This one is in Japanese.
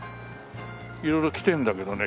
色々来てるんだけどね